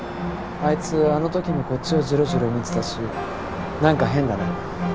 あいつあのときもこっちをじろじろ見てたし何か変だね。